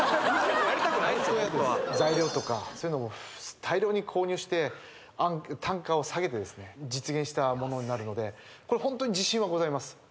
材料とかそういうのも大量に購入して単価を下げて実現したものになるのでホントに自信はございます